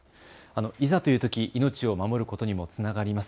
いざというとき、命を守ることにもつながります。